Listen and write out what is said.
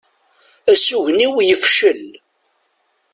Asugen-iw yefcel.